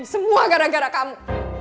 semua gara gara kamu